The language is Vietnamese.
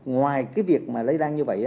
ngoài cái việc mà lấy đăng như vậy